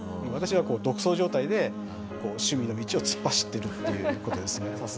私が独走状態で趣味の道を突っ走ってるっていう事ですね。